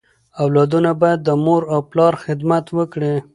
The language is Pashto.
اولادونه بايد د مور او پلار خدمت وکړي.